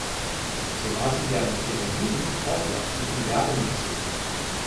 So war sie während ihrer Jugend fortlaufend in Werbungen zu sehen.